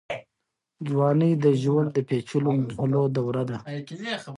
ځوانۍ د ژوند د پېچلو مرحلو دوره ده.